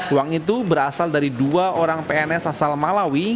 uang itu berasal dari dua orang pns asal malawi